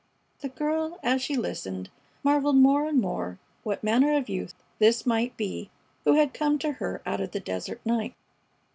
The girl, as she listened, marveled more and more what manner of youth this might be who had come to her out of the desert night.